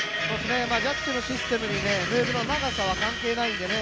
ジャッジのシステムにムーブの長さは関係ないんでね。